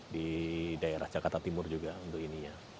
di daerah jakarta timur juga untuk ininya